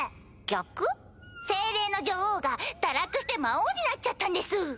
精霊の女王が堕落して魔王になっちゃったんですぅ！